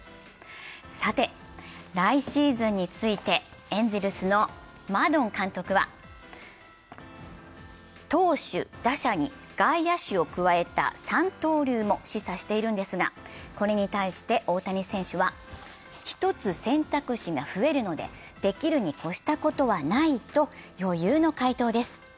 さて、来シーズンについて、エンゼルスのマドン監督は投手、打者に外野手を加えた三刀流も示唆しているんですがこれに対して大谷選手は、１つ選択肢が増えるので、できるにこしたことはないと余裕の回答です。